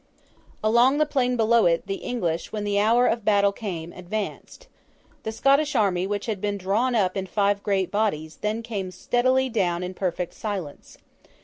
Along the plain below it, the English, when the hour of battle came, advanced. The Scottish army, which had been drawn up in five great bodies, then came steadily down in perfect silence.